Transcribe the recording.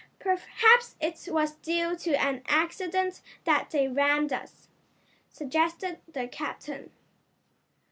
"Perhaps it was due to an accident that they rammed us," suggested the captain.